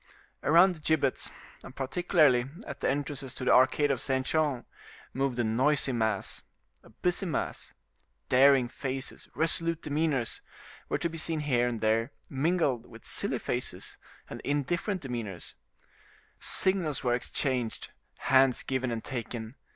Around the gibbets, and particularly at the entrances to the arcade of Saint Jean, moved a noisy mass, a busy mass; daring faces, resolute demeanors were to be seen here and there, mingled with silly faces and indifferent demeanors; signals were exchanged, hands given and taken.